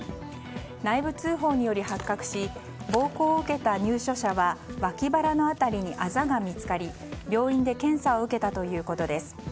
内部通報により発覚し暴行を受けた入所者はわき腹の辺りにあざが見つかり病院で検査を受けたということです。